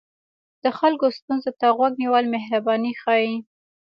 د خلکو ستونزو ته غوږ نیول مهرباني ښيي.